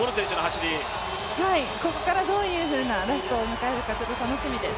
ここからどういうふうなラストを迎えるか、楽しみです。